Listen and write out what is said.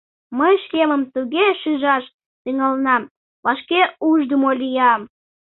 Мый шкемым туге шижаш тӱҥалынам, вашке ушдымо лиям!